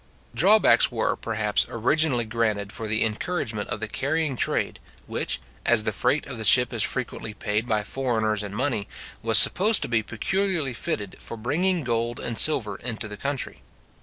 Drawbacks were, perhaps, originally granted for the encouragement of the carrying trade, which, as the freight of the ship is frequently paid by foreigners in money, was supposed to be peculiarly fitted for bringing gold and silver into the country.